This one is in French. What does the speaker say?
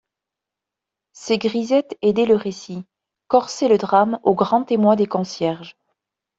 Ses grisettes aidaient le récit, corsaient le drame au grand émoi des concierges.